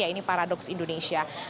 yaitu paradox indonesia